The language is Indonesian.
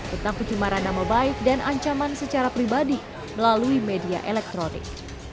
tentang pencemaran nama baik dan ancaman secara pribadi melalui media elektronik